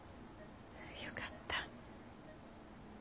よかった。